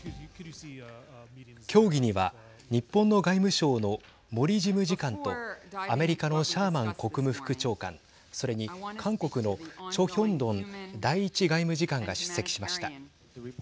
協議には日本の外務省の森事務次官とアメリカのシャーマン国務副長官それに韓国のチョ・ヒョンドン第１外務次官が出席しました。